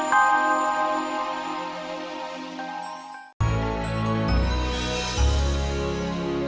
assalamualaikum warahmatullahi wabarakatuh